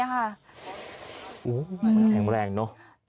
แข็งแรงเนอะ